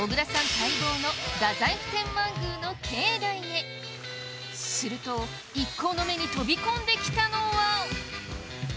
待望の太宰府天満宮の境内へすると一行の目に飛び込んできたのは！